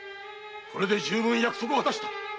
これで十分約束は果たした。